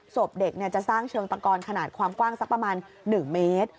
ศพเด็กจะสร้างเชิงตะกอนขนาดความกว้างสักประมาณ๑เมตร